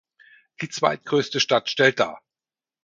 Die zweitgrößte Stadt stellt dar.